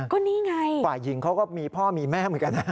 ก็นี่ไงฝ่ายหญิงเขาก็มีพ่อมีแม่เหมือนกันนะ